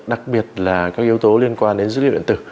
đặc biệt là các yếu tố liên quan đến dữ liệu điện tử